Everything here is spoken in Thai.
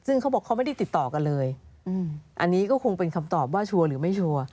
ซึ่งเขาบอกเขาไม่ได้ติดต่อกันเลยอันนี้ก็คงเป็นคำตอบว่าชัวร์หรือไม่ชัวร์